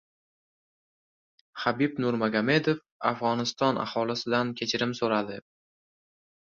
Habib Nurmagomedov Afg‘oniston aholisidan kechirim so‘radi